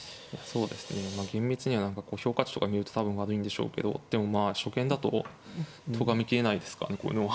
そうですねまあ厳密には評価値とか見ると多分悪いんでしょうけどでもまあ初見だととがめきれないですからねこういうのは。